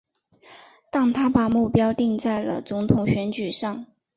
但他把目标定在了总统选举上。